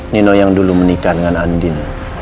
nino yang dulu menikah dengan andin